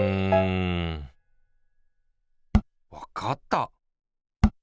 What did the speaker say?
わかった！